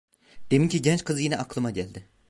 Deminki genç kız yine aklıma geldi…